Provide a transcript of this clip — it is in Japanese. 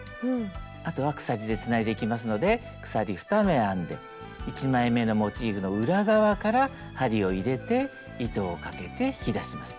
あとは鎖でつないでいきますので鎖２目編んで１枚めのモチーフの裏側から針を入れて糸をかけて引き出します。